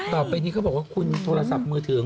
ต่อไปนี้เขาบอกว่าคุณโทรศัพท์มือถือ